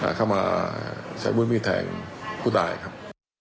เดี๋ยวมาใส่มูนมีดแทงผู้ตายครับ